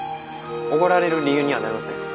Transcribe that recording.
おごられる理由にはなりません。